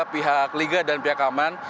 pihak liga dan pihak aman